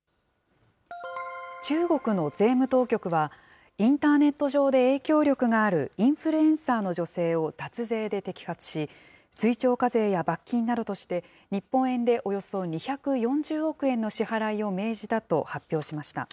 中国の税務当局は、インターネット上で影響力があるインフルエンサーの女性を脱税で摘発し、追徴課税や罰金などとして、日本円でおよそ２４０億円の支払いを命じたと発表しました。